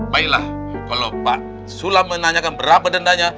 baiklah kalau pak sula menanyakan berapa dendanya